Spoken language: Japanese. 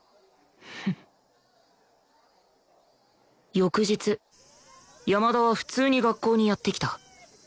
翌日山田は普通に学校にやって来た